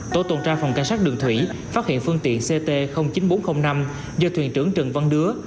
tổ tuần tra phòng cảnh sát đường thủy phát hiện phương tiện ct chín nghìn bốn trăm linh năm do thuyền trưởng trần văn đứa